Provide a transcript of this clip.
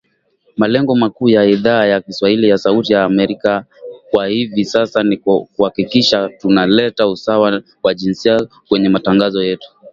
Malengo makuu ya Idhaa ya kiswahili ya Sauti ya Amerika kwa hivi sasa ni kuhakikisha tuna leta usawa wa jinsia kwenye matangazo yetu